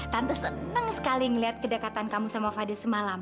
tante seneng sekali ngelihat kedekatan kamu sama fadil semalam